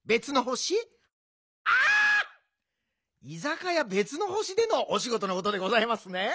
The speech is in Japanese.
居酒屋別の星でのおしごとのことでございますね。